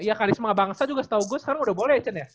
iya karisma bangsa juga setau gue sekarang udah boleh ya cen ya